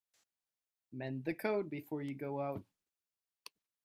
Mend the coat before you go out.